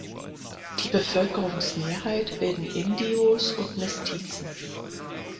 Die Bevölkerungsmehrheit bilden Indios und Mestizen.